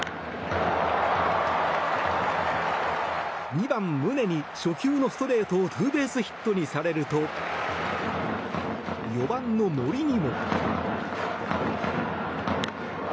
２番、宗に初球のストレートをツーベースヒットにされると４番の森にも。